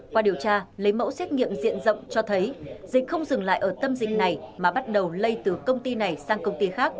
qua điều tra lấy mẫu xét nghiệm diện rộng cho thấy dịch không dừng lại ở tâm dịch này mà bắt đầu lây từ công ty này sang công ty khác